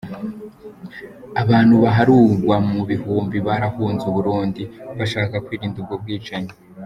Abantu baharugwa mu bihumbi barahunze u Burundi, bashaka kwirinda ubwo bwicanyi.